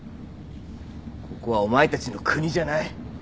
ここはお前たちの国じゃない。